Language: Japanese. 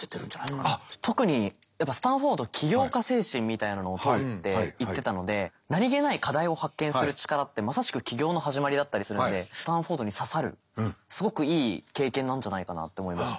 特にやっぱスタンフォード起業家精神みたいなのをとるって言ってたので何気ない課題を発見する力ってまさしく起業の始まりだったりするのでスタンフォードに刺さるすごくいい経験なんじゃないかなって思いました。